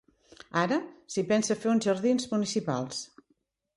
Ara s'hi pensa fer uns jardins municipals.